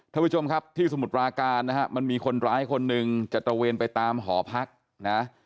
ท่านผู้ชมครับที่สมุทรปราการนะฮะมันมีคนร้ายคนหนึ่งจะตระเวนไปตามหอพักนะ